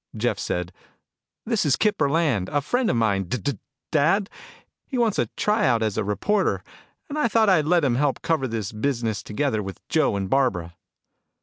Jeff said, "This is Kip Burland, a friend of mine, D d dad. He wants a try out as a reporter. And I thought I'd let him help cover this business together with Joe and Barbara."